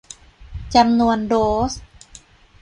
จำนวนโดส